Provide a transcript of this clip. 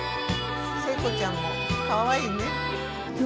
聖子ちゃんもかわいいね。